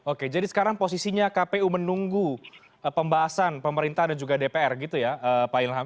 oke jadi sekarang posisinya kpu menunggu pembahasan pemerintah dan juga dpr gitu ya pak ilham